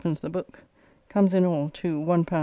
the book, comes in all to L1 3s.